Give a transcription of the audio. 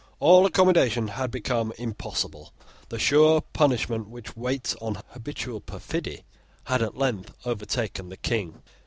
All accommodation had become impossible. The sure punishment which waits on habitual perfidy had at length overtaken the King.